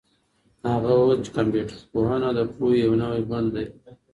هغه وویل چي کمپيوټر پوهنه د پوهې یو نوی بڼ دی.